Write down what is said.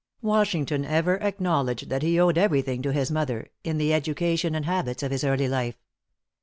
Washington ever acknowledged that he owed everything to his mother in the education and habits of his early life.